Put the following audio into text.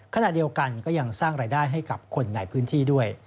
ขณะเดียวกันก็ยังสร้างรายได้ให้กับคนในพื้นที่ด้วย